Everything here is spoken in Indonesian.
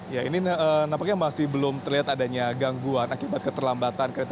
ya ini nampaknya masih belum terlihat adanya gangguan akibat keterlambatan kereta